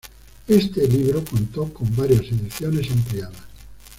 Este libro contó con varias ediciones ampliadas.